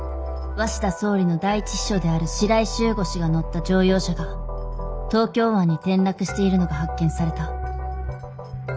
鷲田総理の第一秘書である白井柊吾氏が乗った乗用車が東京湾に転落しているのが発見された。